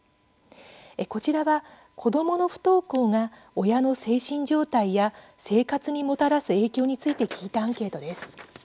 こちらは、子どもの不登校が親の精神状態や生活にもたらす影響について聞いたアンケートです。